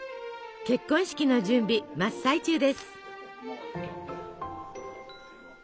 結婚式の準備真っ最中です。